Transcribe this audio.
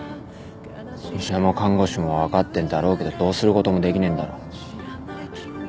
医者も看護師も分かってんだろうけどどうすることもできねえんだろ。